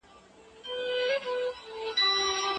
ماشین وکاروئ.